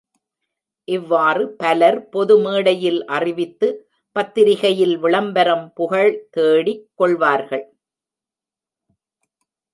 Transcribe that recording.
இவ்வாறு பலர் பொது, மேடையில் அறிவித்து பத்திரிகையில் விளம்பரம், புகழ் தேடிக் கொள்வார்கள்.